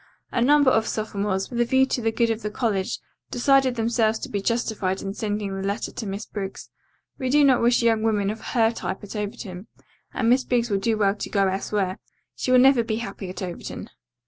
A number of sophomores, with a view to the good of the college, decided themselves to be justified in sending the letter to Miss Briggs. We do not wish young women of her type at Overton, and Miss Briggs will do well to go elsewhere. She will never be happy at Overton."